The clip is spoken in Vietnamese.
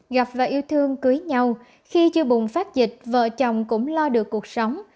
gặp và yêu thương cưới nhau khi chưa bùng phát dịch vợ chồng cũng lo được cuộc sống